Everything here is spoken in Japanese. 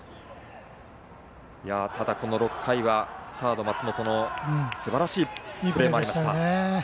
ただ、この６回はサード松本のすばらしいプレーもありました。